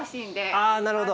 あなるほど。